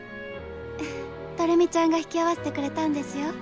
フフッどれみちゃんが引き合わせてくれたんですよ。